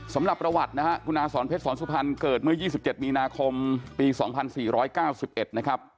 สำหรับประวัตินะฮะคุณอาสอนเพชรสอนสุพรรณเกิดเมื่อ๒๗มีนาคมปี๒๔๙๑นะครับ